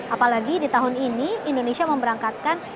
apalagi di tahun ini indonesia memberangkatkan